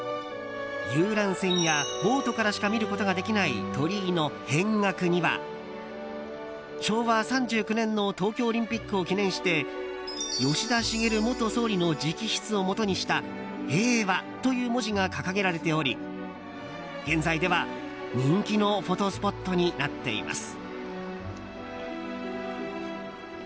遊覧船やボートからしか見ることができない鳥居の扁額には昭和３９年の東京オリンピックを記念して吉田茂元総理の直筆をもとにした「平和」という文字が掲げられており現在では人気のフォトスポットになっています。